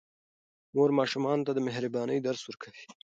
مور ماشومانو ته د مهربانۍ درس ورکوي.